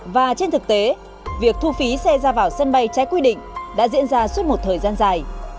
và trên thực tế việc thu phí xe ra vào sân bay trái quy định đã diễn ra suốt một thời gian dài